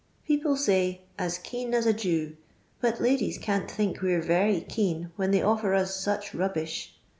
People say, ' as keen as a Jew,' but ladies can't think we're very keen when they offer na such rubbish.